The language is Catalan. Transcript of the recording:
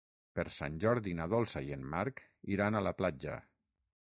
Per Sant Jordi na Dolça i en Marc iran a la platja.